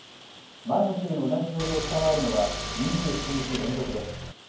前の週の同じ曜日を下回るのは２７日連続です。